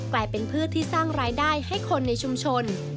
กลายเป็นพืชที่สร้างรายได้ให้คนในชุมชน